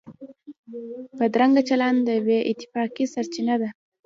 بدرنګه چلند د بې اتفاقۍ سرچینه ده